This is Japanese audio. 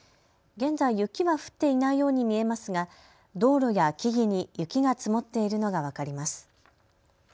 現在、雪は降っていないように見えますが道路や木々に雪が積もっているのが分かります。